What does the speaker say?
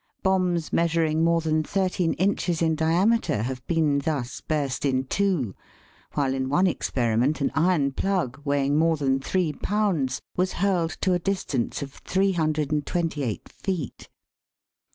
Bombs measuring more than thirteen inches in diameter have been thus burst in two ; while in one experiment, an iron plug, weighing more than three pounds, was hurled to a distance of 328 feet.